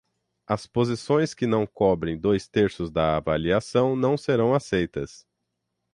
As posições que não cobrem dois terços da avaliação não serão aceitas.